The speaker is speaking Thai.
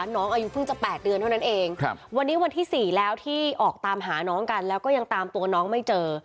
น้องอายุเพิ่งจะ๘เดือนเท่านั้นเองวันนี้วันที่๔แล้วที่ออกตามหาน้องกันแล้วก็ยังตามตัวน้องไม่เจอ